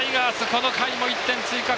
この回も１点追加。